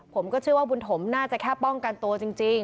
ผมก็เชื่อว่าบุญถมน่าจะแค่ป้องกันตัวจริง